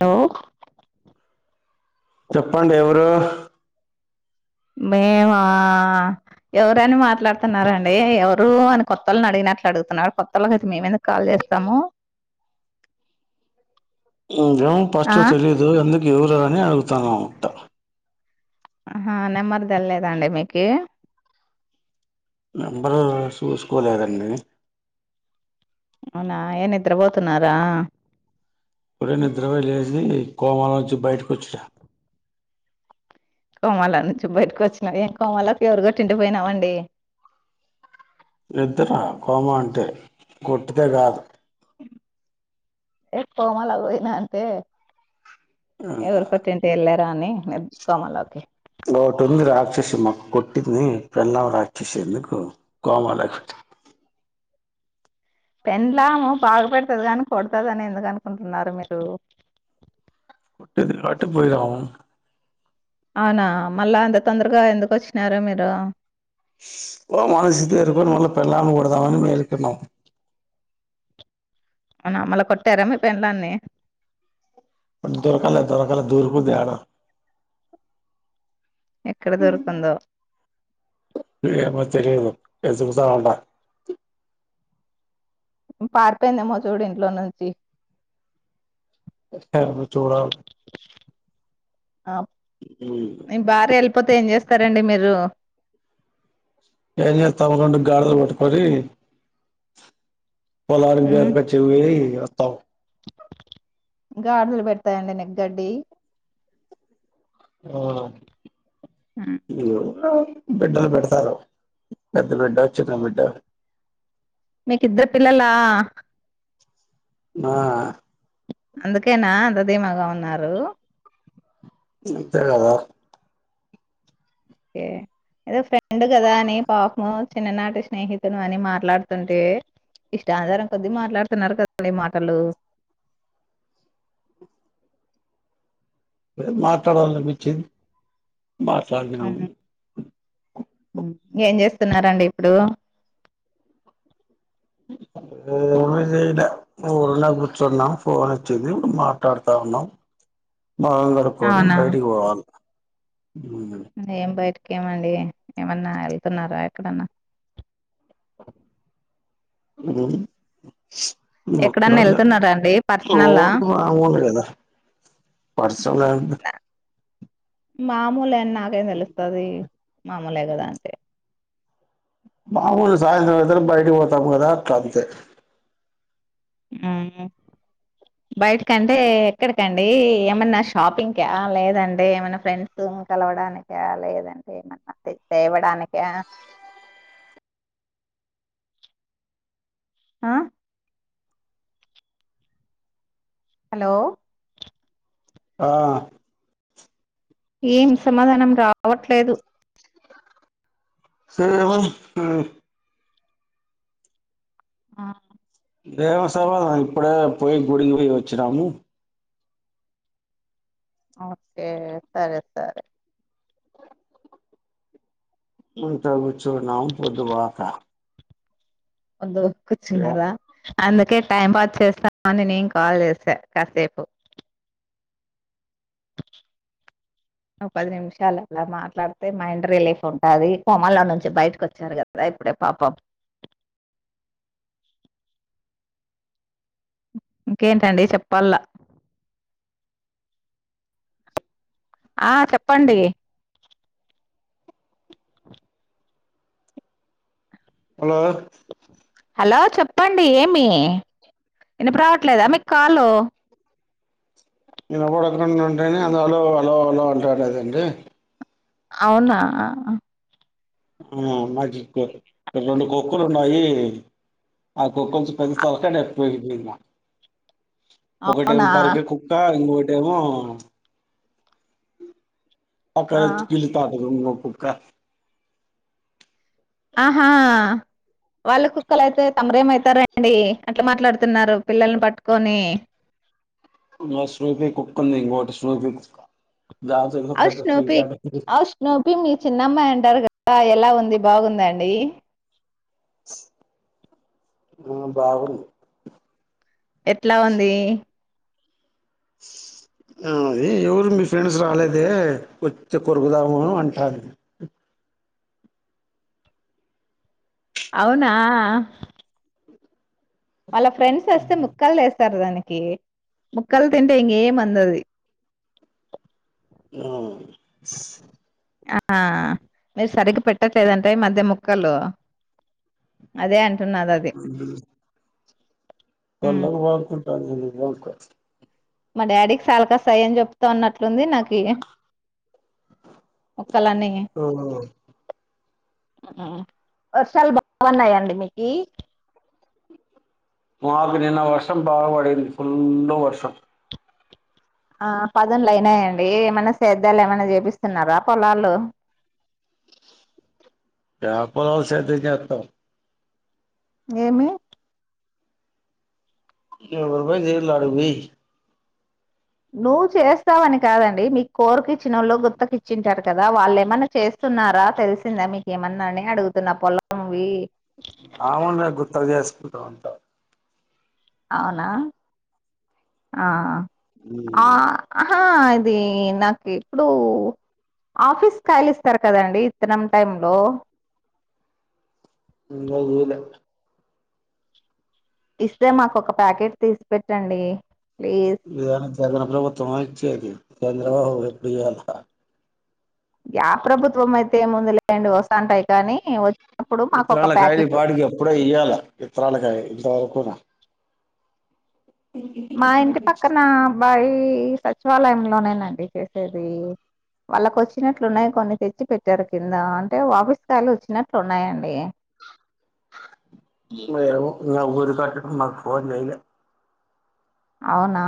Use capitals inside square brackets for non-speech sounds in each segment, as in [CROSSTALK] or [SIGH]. Hello చెప్పండి ఎవరు మేమా ఎవరైనా మాట్లాడుతున్నారండి ఎవరు అని కొత్తళ్ని అడిగినట్లు అడుగుతున్నారు కొత్తళ్లోకి అయితే మేమెందుకు కాల్ చేస్త స్తము ఏమం ఫస్ట్ తెలియదు ఎందుకు ఎవరాఅని అడుగుతానుమంట ఆ నెంబర్ తెలిలేదాండి మీకే నెంబరు చూసుకోలేదండి అవునా ఏనిద్ర పోతున్నారా ఇప్పుడే నిద్రపో లేసి కోమల నుంచి బయటికి వచ్చా కోమాల నుంచి బయటకు వచ్చినారు ఏం కోమాలకు ఎవరు గట్టిండిపోయినామండి నిద్ర కోమ అంటే కొట్తే కాదు ఎ పో కోమాల పోయినా అంత ఎవరు కొట్టింట వెళ్ళారా అని కోమలాకి సుష్మ కొట్టింది కొట్టిని పెల్ళం రాక్షేసేందుకు కోమాలక్ పెళ్ళాము బాగు పెడతది గాని కొడతుది అని ఎందుకు అనుకుంటున్నారు మీరు కుట్ది కాటి పోయిదం అవునా మళ్ళా అంత తొందరగా ఎందుకు వచ్చినారు మీరు మనసుతే ఎకు నల పెళ్ళాం కూడాడదామ మకన్నాం అన్న మల్ల కొట్టారా మీ పెళ్ళాన్ని దరకాల దరకాల దూరకుది ఎక్కడ దొరికిందో ఏమో తెలియదు వెతుకుతుంటాన పారిపోయిందేమో చూడు ఇంట్లో నుంచి ఏమో చూడాలి కాకపోతే ఏం చేస్తారండి మీరు ఏ తమకం గగాడ కొట్టుకొని పోలారం [UNINTELLIGIBLE] వత్త [UNINTELLIGIBLE] పెడతాయండి గడ్డి ఆ ఇ బిడ్డలు పెడతారు పెద్ద బిడ్డ చిన్న బిడ్డ మీకు ఇద్దరు పిల్లలా ఆ అందుకేనా అందధీమాగా ఉన్నారు అంతేకదా ఏ ఏదో ఫ్రెండ్ కదా అని పాపము చిన్ననాటి స్నేహితులు అని మాట్లాడుతుంటే ఇష్ట ఆధారం కొద్దిీ మాట్లాడుతున్నారు కదీ మాటలు మాట్లాడాల అనిపించింది మాట్లాదినం [UNINTELLIGIBLE] ఏం చేస్తున్నండి ఇప్పుడు ఏ చేయలే ఊరినే కూర్చున్నాం ఫోన్ వచ్చింది ఇప్పుడు మాట్లాడుతా ఉన్నాం మొహం కడుకొని అవునా బయటికి పోవాలి. ఏం బయటికెమండి ఏమన్నా ఎళ్తున్నారా ఎక్కడన్నా? ఊ నువ్ ఎక్కడన్నా అక్కడోలే వెళ్తున్నారా అండి పర్సనల్లా ఊర్కు మాములే కదా. పర్సనలు మామూలే అని నాకేం తెలుస్తది. మామూలే కదా అంటే. మాముూలు సాయంత్రం ఐతేనే బయటికి పోతాము కదా అట్ల అంతే. ఆ బయటికంటే ఎక్కడికండి? ఏమన్న షాపింగ్ క లేదంటే ఏమన్న ఫ్రెండ్స్ ఉ. ఉ కలవడానిక లేదంటే ఏమన్నా తె తేవడానిక? ఆ హలో ఆ ఏం సమాధానం రావట్లేదు. సేవం ఏం ఆ దేవ సవా ఇప్పుడే పోయి గుడికి పోయి వచ్చినాము. ఓకే సరే సరే. ఇంట్ల కూర్చున్నాం పొదువాకా ఒందో కుర్చునార. అందుకే టైం పాస్ చేస్తాం అని నేను కాల్ చేసా కాసేపు. నువ్వు పది నిమిషాలు అలా మాట్లాడితే మైండ్ రిలీఫ్ ఉంటాది. కొమలో నుంచి బయటకి వచ్చారు కదా ఇప్పుడే. పాపబ్ ఇంకేంటండి చెప్పల. ఆ చెప్పండి. అలో హలో చెప్పండి! ఏమి ఇనప రావట్లేదా మీకు కాలు. ఇనపడకుండా ఉంటేనే అందులో అలో అలో అలో అంటాడదండి. అవునా ఆ మాకి కు రొండు కుక్కలుండాయి. ఆ కుక్ కొంచెం కదిల్స్తా ఉంటే డెప్త్ వెళ్లిపోయినా. ఒకటెమో అవునా బర్గె కుక్క ఇంకోటి ఏమో ఆ అక్కడచ్ కిళతత ఏమో కుక్క ఆహా వాళ్ళ కుక్కల అయితే తమరేమయితారండి, అట్ల మాట్లాడుతున్నారు పిల్లల్ని పట్టుకొని. నో స్రూపి కుక్ ఉంది. ఇంకోటి స్నూపి కుక్క దాంతో ఇంకా పెద్ద ఔష్నుపి పోట్లాట ఔష్నుపి మీ చిన్నమ్మాంటారుగా ఆ ఎలా ఉంది బాగుంద అండి? ఆ బాగుండు ఎట్లా ఉంది. అ అది ఎవరు మీ ఫ్రెండ్స్ రాలేదే వచ్చే కొరుకుదాము అంటారు అవునా వాళ్ళ ఫ్రెండ్స్ వస్తే ముక్కల్ చేస్తార్ దాన్ని కి ముక్కలు తింటే ఇంకేం అందది ఆ స్ ఆ మీరు సరిగ్గా పెట్టట్లేదంటే ఈ మధ్య ముక్కలు అదే అంటున్నా దది [UNINTELLIGIBLE] నిజంగా మా డాడీకి సాల కస్తయని చెప్తా ఉన్నట్లుంది నాకి ముక్కల్లన్ని ఇగ ఆ వర్షాలు బాగున్నాయండి మీకి మాకు నిన్న వర్షం బాగాపడింది ఫుల్లు వర్షం ఆ పదున్లు అయినాయండి ఏమైన సేద్యాలు ఏమైన చేపిస్తున్నారా పొలాల్లో [INAUDIBLE] యా పొలాలు సేద్యం చేత్తం ఏమి ఎవరు పని చేయట్ల ఆడికి పోయి నువ్వు చేస్తావని కాదండి మీ కోరి కిచ్చిన వాళ్ళు గుత్తకు ఇచ్చింటారు కదా వాళ్ళు ఏమన్నా చేస్త స్తున్నారా తెలిసిందా మీకేమన్నాని అడుగుతున్న పొలంవి ఆ ఉండదు గుత్తకి చేసుకుంటాం అంత అవునా ఆ ఆ మ్మ్ అహా అది నాకు ఎప్పుడుూ ఆఫీస్ కాయలిస్తారు కదండి ఇత్తనం టైమ్ లో ఇంకా ఈ లె ఇస్తే మాకు ఒక ప్యాకెట్ తీసి పెట్టండి ప్లీజ్ ఇదేమన్నా జగన్ ప్రభుత్వమా ఇచ్చేకీ చంద్రబాబు ఎప్పుడియ్యాల యా ప్రభుత్వం అయితే ఏముంది లేండి వస్ విత్తనాల కాయలు ఈ ప్యాకెట్ పాటికి ఎప్పుడో ఎ ఇయ్యలా ఇత్తనాల కాయలు ఇంతవరకున మా ఇంటి పక్కన అబ్బాయి సచివాలయంలోనే నండి చేసేది వాళ్ళకి వచ్చినట్లున్నాయి కొన్ని తెచ్చి పె ట్టారు కింద అంటే ఆఫీస్ కాయలు వచ్చినట్లు ఉన్నాయండి ఏమో ఎవ్వరు కట్ల మాకు ఫోన్ చేయలే అవునా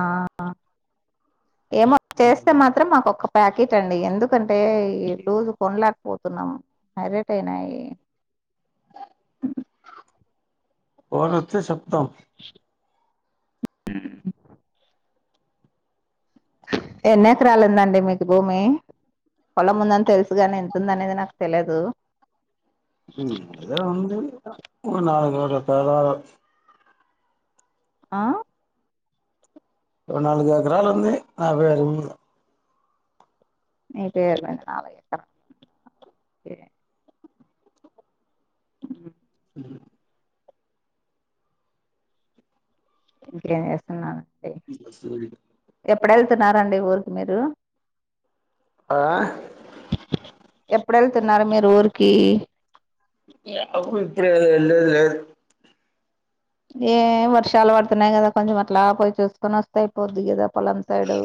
ఏమో చేస్తే మాత్రం మాకొక్క ప్యాకెట్ అండి ఎందుకంటే ఈ లూజ్ కొనలేకపోతున్నాం హైరేట్ అయినాయి ఫోన్ ఒత్తే చెప్తాం ఉ ఎన్ని ఎకరాలు ఉందండి మీకు భూమి పొలం ఉందని తెలుసుగాని ఎంతుందనేది నాకు తెలియదు హూ అదేం ఉంది ఓ నాలుగైదు ఎకరాలు ఆ ఓ నాలుగు ఎకరాలు ఉంది నా పేరు మీద నీ పేరు మీద నాలుగెకరలు ఉందా ఓకే ఉ మ్ ఇంకేం చేస్తున్నారు [UNINTELLIGIBLE] ఎప్పుడు వెళ్తున్నారండి ఊరికి మీరు ఆ ఎప్పుడు వెళ్తున్నారు మీరు ఊరికి యాడ కుదిరిద్ది ఇప్పుడే ఎల్లేది లేదు ఏ వర్షాలు పడుతున్నాయి కదా కొంచెం అట్లా పోయి చూసుకొని వాస్తే ఐపోద్ది కదా పొలం సైడు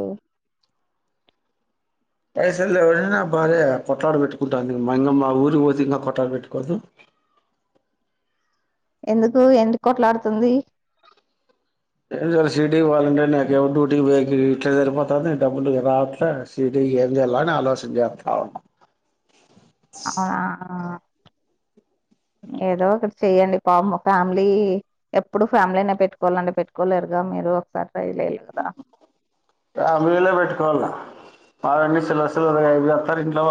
పైసలు ఎవరైనా భార్య కొట్లాడ పెట్టుకుంటుంది మా ఇంకా మా ఊరికి పోతే ఇంకా కొట్లాడ పెట్టుకోద్దు ఎందుకు ఎన్ని కోట్లాడుతుంది ఏందో సి టి కి పోవాలంటే నాకేమో డుటీ కి పోయేకి ఇట్లే సరిపోతుంది డబ్బులు రాట్లే ఏంచేయాల అని ఆలోచన చేస్తున్న ఆ ఏదో ఒకటి చెయ్యండి [UNINTELLIGIBLE] ఫ్యామిలీ ఎప్పుడు ఫ్యామిలీ అయినా పెట్టుకోవాలండి పెట్టుకోలేరు ఇగా మీరు [UNINTELLIGIBLE] కదా [UNINTELLIGIBLE] పెట్టుకోవాల కావాలంటే సిలబస్ [UNINTELLIGIBLE] ఇంట్లో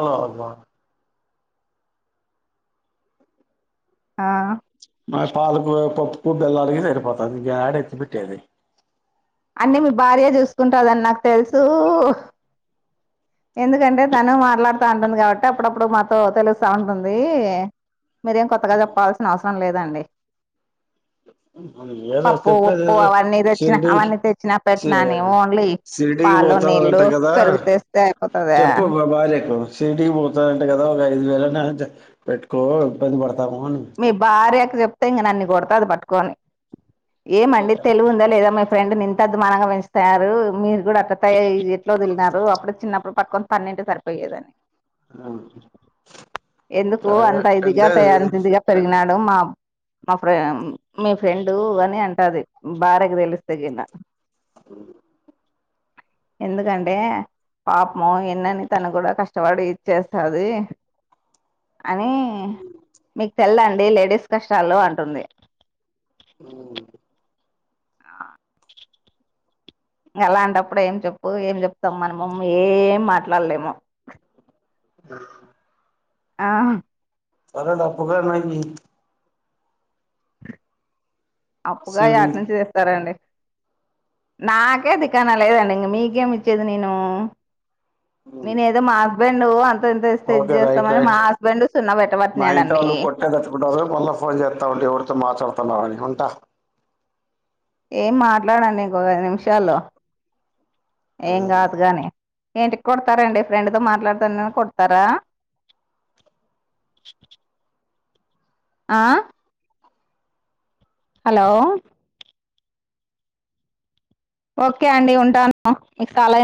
ఆ పలుకుర పప్పు బెల్లానికే సరిపోతుదింకా యడ ఎత్తి పెట్టేది అన్నీ మీ భార్య చూసుకుంటదని నాకు తెలుసు ఎందుకంటే తను మాట్లాడుత ఉంటుంది కాబట్టి అప్పుడప్పుడు మాతో తెలుస్తా ఉంటుంది మీరేం కొత్తగా చెప్పాల్సిన అవసరం లేదండి ఏదో పప్పు చెప్పేది ఉప్పు ఏదో అవన్నీ తెచ్చినా షిరిడి అవన్నీ తెచ్చిన షి పెట్టినాని ఓన్లీ షిరిడికి పాలు నీల్లు పోతానంట కదా పెరుగు తేస్తే అయిపోతద సిటీకి పోతారంటే కదా ఒక ఐదు వేల పెట్టుకో ఇబ్బంది పడ మీ భార్య కి చెప్తే ఇంక నన్నీ కొడతది పట్టుకొని ఏమండి తెలివు ఉందా లేదా ఫ్రెండ్ ని ఇంత అధ్మమానంగా పెంచుతునారు మీరు కూడా అట్లా త ఎట్ తిన్నారు అప్పుడు చిన్నప్పుడు పట్టుకొని [UNINTELLIGIBLE] [UNINTELLIGIBLE] ఎందుకు సరే అంత ఇదిగా అంటే అంత ఇదిగా పెరిగినాడు మా మా మీ ఫ్రెండ్ అని అం టది భార్య కి తెలిస్తే గిన ఎందుకంటే పాపము ఎన్నని తను కూడా కష్టపడి చ్చేస్తది అని మీకు తెల్దండి లేడీస్ కష్టాల్లో అంటుంది అ అలాంటప్పుడు ఏం చెప్పు ఏం చెప్తాం మనము ఏం మాట్లాడలేము అ ఆ సరేలే అప్పుగాన్న ఇ అప్పుగా షిరిడి యాటు నుంచి తెస్తారండి నాకే దికన లేదండి మీకేమి ఇచ్చేది నేను నేను ఏదో మా హస్బెండ్ అ [UNINTELLIGIBLE] ఓకే రైట్ చేస్తామని మా రైట్ హస్బెండ్ సున్నా మా పెట్టబట్టినాడండి తావుంటే ఎవరితో మాట్లాడుతున్నవాని ఉంటా ఏం మాట్లాడండి ఇంకోక ఐదు నిమిషాల్లు ఏం కాదు గాని ఏంటి కొడతారంండి ఫ్రెండ్‌తో మాట్లాడతానని కొడతారా ఆ హలో ఓకే అండి ఉంటాను మీకు సాలయిన